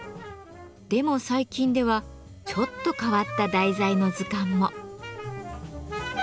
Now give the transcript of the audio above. でも最近ではちょっと変わった題材の図鑑も。